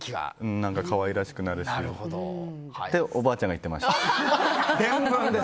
可愛らしくなるしっておばあちゃんが言ってました。